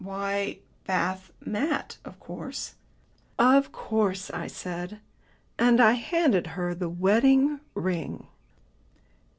"Why 'bath mat,' of course." "Of course," I said ... and I handed her the wedding ring.